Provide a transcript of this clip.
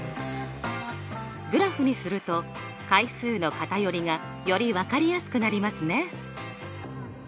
グラフにすると回数の偏りがより分かりやすくなりますね。